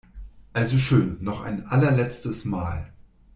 Also schön, noch ein allerletztes Mal!